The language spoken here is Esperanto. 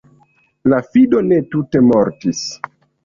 La fido ne tute mortis.